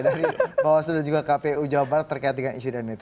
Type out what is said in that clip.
jadi bahwa sudah juga kpu jawab terkait dengan isu ini